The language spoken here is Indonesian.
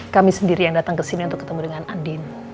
kami sendiri yang datang kesini untuk ketemu dengan andir